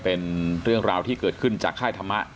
เป็นเรื่องราวที่เกิดขึ้นจากค่ายธรรมะ